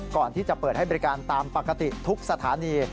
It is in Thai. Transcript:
ก่อนที่จะเปิดให้บริการตามปกติทุกสถานี